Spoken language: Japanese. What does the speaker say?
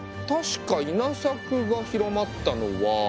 確か稲作が広まったのは。